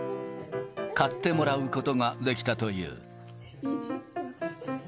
買ってもらうことができたという。